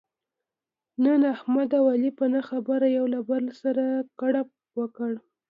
نن احمد او علي په نه خبره یو له بل سره کړپ وکړ.